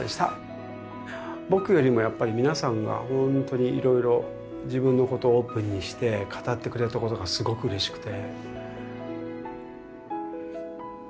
僕よりもやっぱり皆さんが本当にいろいろ自分のことをオープンにして語ってくれたことがすごくうれしくて。